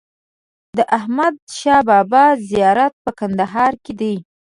د احمد شا بابا زیارت په کندهار کی دی